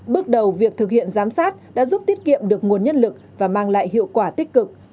bước đầu việc thực hiện giám sát đã giúp tiết kiệm được nguồn nhân lực và mang lại hiệu quả tích cực